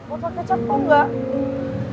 otot kecap tau gak